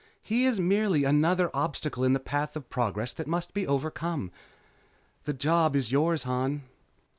He is merely another obstacle in the path of progress that must be overcome. The job is yours, Han."